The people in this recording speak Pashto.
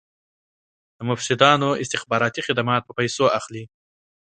د مفسدانو استخباراتي خدمات په پیسو اخلي.